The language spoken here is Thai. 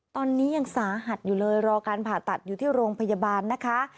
ตอนนี้ยังสาหัสอยู่เลยรอการผ่าตัดอยู่ที่โรงพยาบาลนะคะ